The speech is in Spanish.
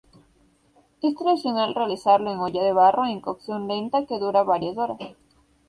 Es tradicional realizarlo en olla de barro en cocción lenta que dura varias horas.